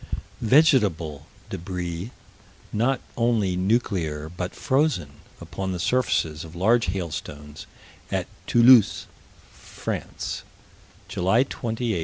Vegetable débris, not only nuclear, but frozen upon the surfaces of large hailstones, at Toulouse, France, July 28, 1874.